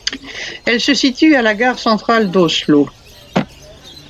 Elle se situe à de la gare centrale d'Oslo.